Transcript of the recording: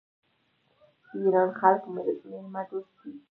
د ایران خلک میلمه دوست دي.